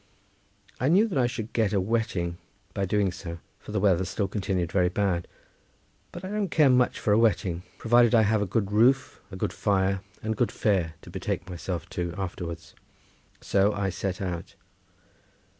I knew that I should get a wetting by doing so, for the weather still continued very bad, but I don't care much for a wetting provided I have a good roof, a good fire and good fare to betake myself to afterwards. So I set out.